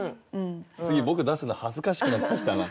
次僕出すの恥ずかしくなってきたな。